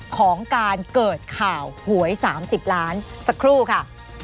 ของการเกิดข่าวหวย๓๐ล้านสักครู่ค่ะ